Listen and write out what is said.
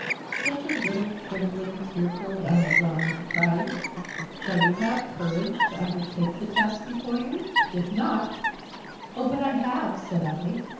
"Such a little, trembling, tear filled Amazon!" he cried. "Shall you have courage to undertake the task before you? If not—" "Oh, but I have," said I.